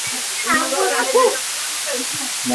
আমি তাকে ধরে আনব।